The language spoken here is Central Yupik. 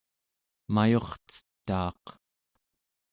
mayurcetaaq